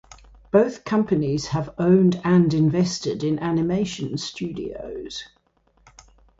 Both companies have owned and invested in animation studios.